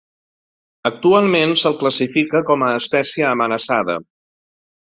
Actualment se'l classifica com a espècie amenaçada.